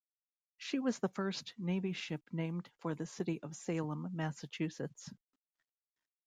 She was the first Navy ship named for the city of Salem, Massachusetts.